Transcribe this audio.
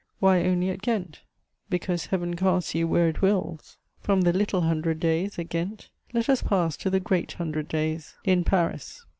Why only at Ghent? Because Heaven casts you where it wills. From the "little Hundred Days" at Ghent let us pass to the "great Hundred Days" in Paris.